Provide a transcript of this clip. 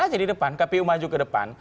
aja di depan kpu maju ke depan